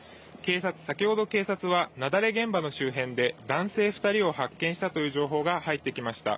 先ほど警察は雪崩現場の周辺で男性２人を発見したという情報が入ってきました。